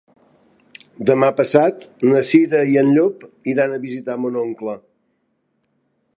Demà passat na Cira i en Llop iran a visitar mon oncle.